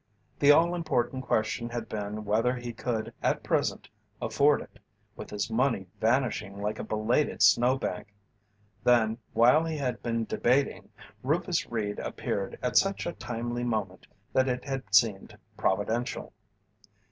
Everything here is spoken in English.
The all important question had been whether he could at present afford it, with his money vanishing like a belated snowbank. Then, while he had been debating, Rufus Reed appeared at such a timely moment that it had seemed providential.